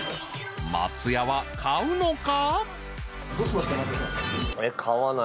［松也は買うのか？］